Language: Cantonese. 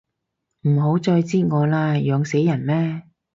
唔好再擳我啦，痕死人咩